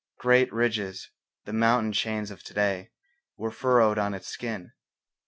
Great ridges, the mountain chains of to day, were furrowed on its skin.